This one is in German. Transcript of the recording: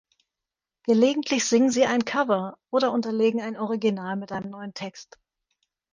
Gelegentlich singen sie ein Cover oder unterlegen ein Original mit einem neuen Text.